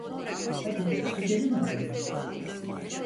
Hadi gidelim o zaman.